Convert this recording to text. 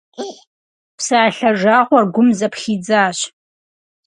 Псалъэ жагъуэр гум зэпхидзащ.